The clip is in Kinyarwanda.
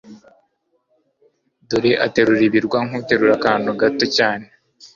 Dore aterura ibirwa nkuterura akantu gato cyane